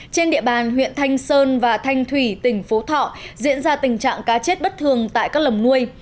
trên địa bàn huyện thanh sơn và thanh thủy tỉnh phú thọ diễn ra tình trạng cá chết bất thường tại các lồng nuôi